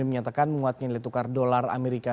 dan memnyatakan menguatkan nilai tukar dolar amerika